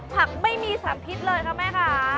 ผักไม่เมีนสานพริดเลยนะคะไหมคะ